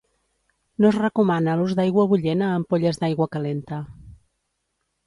No es recomana l'ús d'aigua bullent a ampolles d'aigua calenta.